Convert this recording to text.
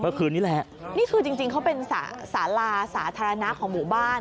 เมื่อคืนนี้แหละนี่คือจริงจริงเขาเป็นสาลาสาธารณะของหมู่บ้าน